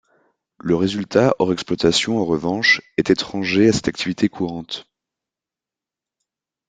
Le résultat hors exploitation, en revanche, est étranger à cette activité courante.